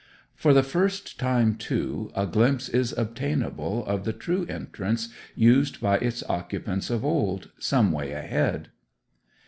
For the first time, too, a glimpse is obtainable of the true entrance used by its occupants of old, some way ahead.